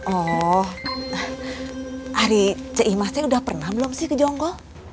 oh ari ce imasnya udah pernah belum sih ke jonggo